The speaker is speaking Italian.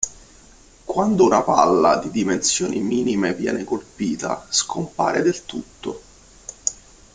Quando una palla di dimensioni minime viene colpita, scompare del tutto.